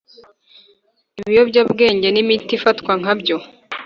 ibiyobyabwenge n imiti ifatwa nkabyo